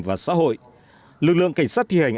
và xã hội lực lượng cảnh sát thi hành